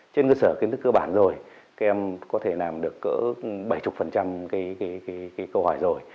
trên cơ sở kiến thức cơ bản rồi các em có thể làm được cỡ bảy mươi câu hỏi rồi